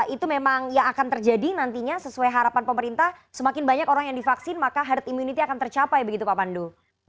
itu memang yang akan terjadi nantinya sesuai harapan pemerintah semakin banyak orang yang divaksin maka herd immunity akan tercapai begitu pak pandu